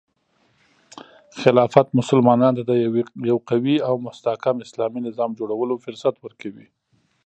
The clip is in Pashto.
خلافت مسلمانانو ته د یو قوي او مستحکم اسلامي نظام جوړولو فرصت ورکوي.